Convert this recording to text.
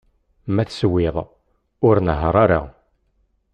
Ma teswiḍ, ur nehheṛ ara!